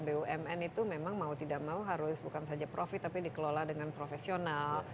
bumn itu memang mau tidak mau harus bukan saja profit tapi dikelola dengan profesional